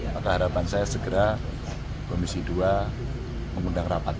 maka harapan saya segera komisi dua mengundang rapat